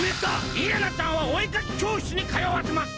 イララちゃんはお絵かき教室にかよわせます！